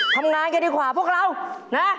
ทำงานกันดีกว่าพวกเรานะ